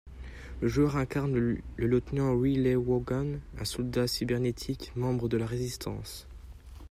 Le joueur incarne le lieutenant Riley Vaughan, un soldat cybernétique, membre de la résistance.